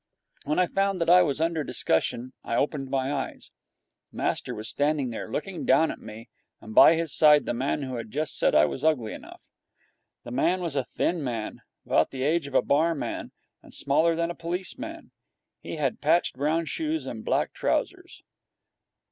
When I found that I was under discussion, I opened my eyes. Master was standing there, looking down at me, and by his side the man who had just said I was ugly enough. The man was a thin man, about the age of a barman and smaller than a policeman. He had patched brown shoes and black trousers.